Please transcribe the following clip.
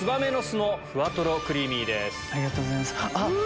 ありがとうございます。